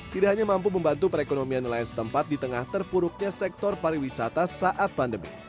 tidak hanya mampu membantu perekonomian nelayan setempat di tengah terpuruknya sektor pariwisata saat pandemi